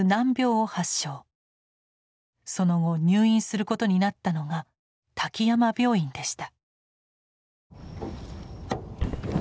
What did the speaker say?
その後入院することになったのが滝山病院でした。